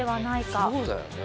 そうだよね。